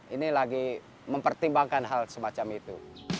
ini lagi mempertimbangkan hal semacam itu